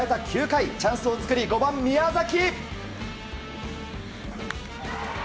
９回チャンスを作り５番、宮崎。